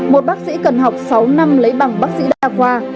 một bác sĩ cần học sáu năm lấy bằng bác sĩ đa khoa